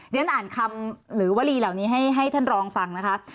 เรียนอ่านคำหรือวลีเหล่านี้ให้ท่านรองฟังนะคะ